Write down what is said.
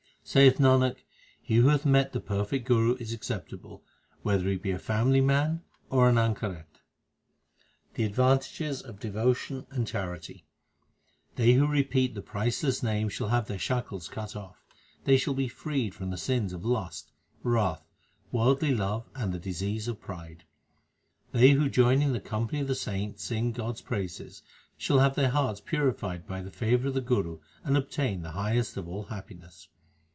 Saith Nanak, he who hath met the perfect Guru is accept able, whether he be a family man or an anchoret. The advantages of devotion and charity : They who repeat the priceless Name shall have their shackles cut off ; 1 That is, he indulges in forbidden pleasures. HYMNS OF GURU ARJAN 331 They shall be freed from the sins of lust, wrath, worldly love, and the disease of pride. They who joining the company of the saints sing God s praises, Shall have their hearts purified by the favour of the Guru and obtain the highest of all happiness.